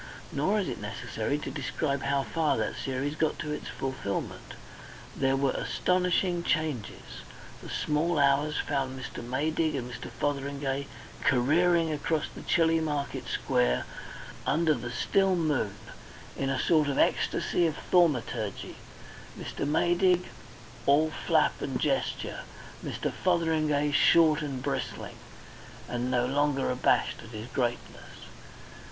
Nor is it necessary to describe how far that series got to its fulfilment. There were astonishing changes. The small hours found Mr. Maydig and Mr. Fotheringay careering across the chilly market square under the still moon, in a sort of ecstasy of thaumaturgy, Mr. Maydig all flap and gesture, Mr. Fotheringay short and bristling, and no longer abashed at his greatness.